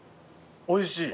おいしい。